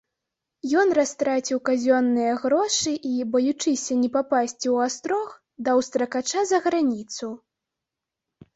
Ён растраціў казённыя грошы і, баючыся не папасці ў астрог, даў стракача за граніцу.